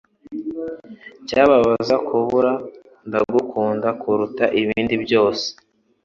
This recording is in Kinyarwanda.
cyababaza kubura Ndagukunda kuruta ibindi byose